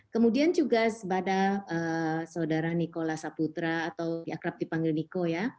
kemudian juga pada saudara nikola saputra atau akrab dipanggil niko ya